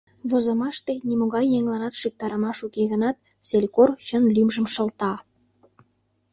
Возымаште нимогай еҥланат шӱктарымаш уке гынат, селькор чын лӱмжым шылта.